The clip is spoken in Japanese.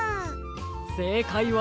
せいかいは。